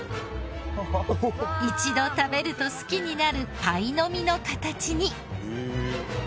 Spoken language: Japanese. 一度食べると好きになるパイの実の形に。